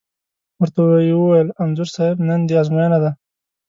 ور ته یې وویل: انځور صاحب نن دې ازموینه ده.